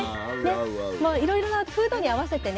もういろいろな風土に合わせてね